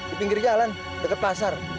di pinggir jalan dekat pasar